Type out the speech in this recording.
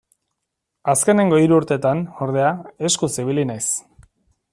Azkenengo hiru urtetan, ordea, eskuz ibili naiz.